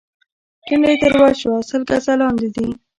ټنډه يې تروه شوه: سل ګزه لاندې دي.